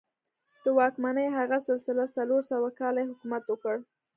د واکمنۍ هغه سلسله څلور سوه کاله یې حکومت وکړ.